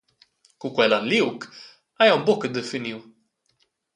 Cu quella ha liug ei aunc buca definiu.